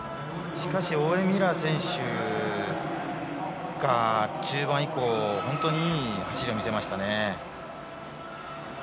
しかしオーウェン・ミラー選手が中盤以降、本当にいい走りを見せましたね。